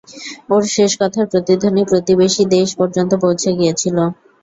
ওর শেষ কথার প্রতিধ্বনি প্রতিবেশী দেশ পর্যন্ত পৌঁছে গিয়েছিল।